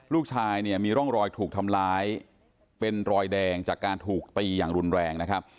ลูกชายเนี่ยมีร่องรอยถูกทำร้ายเป็นรอยแดงจากการถูกตีอย่างรุนแรงนะครับ